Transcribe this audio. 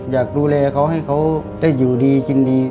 อยากดูแลเขาให้เขาได้อยู่ดีกินดี